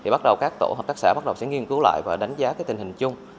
bắt đầu các tổ hợp tác xã bắt đầu sẽ nghiên cứu lại và đánh giá tình hình chung